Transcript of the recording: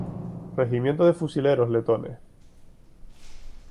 Regimiento de Fusileros Letones.